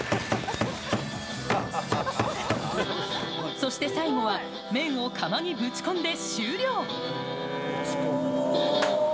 そして最後は麺を窯にぶち込んで終了。